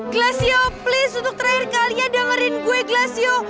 glasio please untuk terakhir kali ya dengerin gue glasio